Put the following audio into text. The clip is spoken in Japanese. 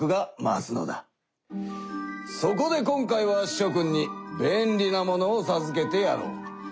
そこで今回はしょ君に便利なものをさずけてやろう。